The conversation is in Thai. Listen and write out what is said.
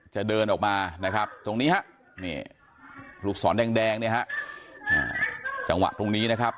จะเดินออกมานะครับตรงนี้ฮะนี่ลูกศรแดงเนี่ยฮะจังหวะตรงนี้นะครับ